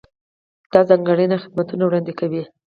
دا ځانګړي خدمتونه وړاندې کوي.